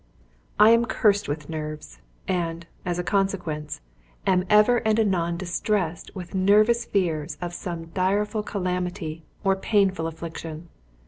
I am cursed with nerves, and, as a consequence, am ever and anon distressed with nervous fears of some direful calamity or painful affliction.